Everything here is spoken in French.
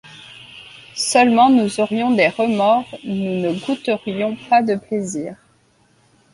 Seulement, nous aurions des remords, nous ne goûterions pas de plaisir.